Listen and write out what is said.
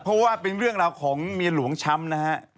เพราะว่าเป็นเรื่องราวของเมียหลวงช้ำนะฮะ